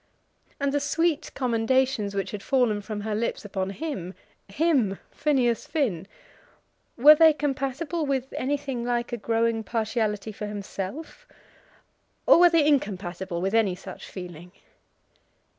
And the sweet commendations which had fallen from her lips upon him, him, Phineas Finn, were they compatible with anything like a growing partiality for himself, or were they incompatible with any such feeling?